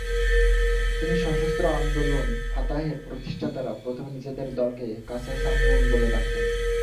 তিনি সশস্ত্র আন্দোলন ফাতাহের প্রতিষ্ঠাতারা প্রথমে নিজেদের দলকে "কাসাসামিয়ুন" বলে ডাকতেন।